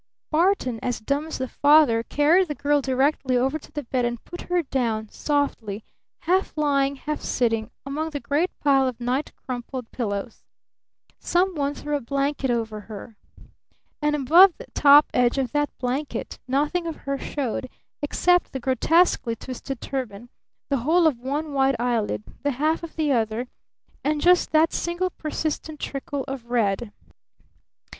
Barton, as dumb as the father, carried the girl directly to the bed and put her down softly, half lying, half sitting, among the great pile of night crumpled pillows. Some one threw a blanket over her. And above the top edge of that blanket nothing of her showed except the grotesquely twisted turban, the whole of one white eyelid, the half of the other, and just that single persistent trickle of red.